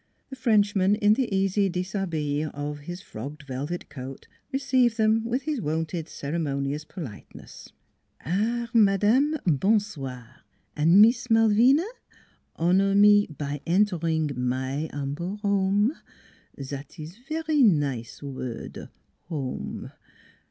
The Frenchman, in the easy dishabille of his frogged velvet coat, received them with his wonted ceremonious politeness. " Ah h h ! Madame! bon soir! an' Mees Mal vina ! Honor me by entering my 'umble 'ome. Zat ees very nize word 'ome.